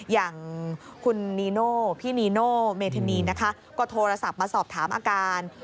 อย่างคุณนีโน่พี่นีโน่เมธานีนะคะก็โทรศัพท์มาสอบถามอาการ